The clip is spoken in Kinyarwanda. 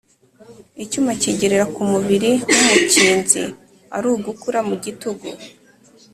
Icyuma cyigerera ku mubili w’umukinzi, ari ugukura mu gitugu